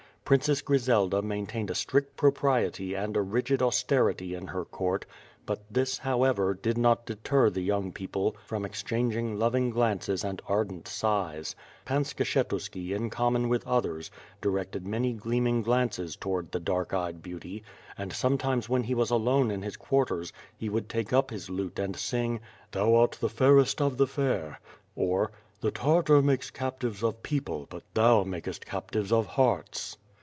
Princess Grizelda maintained a strict propriety and a rigid austerity in her court, but this, however, did not deter the young people from exchanging loving glances and ardent sighs. Pan Skshetuski in common with others, directed many gleaming glances toward the dark eyed beauty, and sometimes when he was alone in his quarters, he would take up his lute and sing: " Thou art the fairest of the fair ;" or " The Tartar makes captives of people. But thou makest captives of hearts."